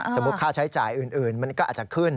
ค่าใช้จ่ายอื่นมันก็อาจจะขึ้น